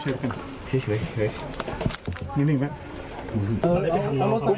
เฮ้ยหยุดหยุด